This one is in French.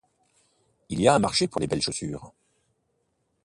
Il y a un marché pour les belles chaussures.